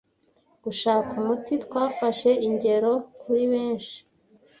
gushaka umuti twafashe ingero kuri benshi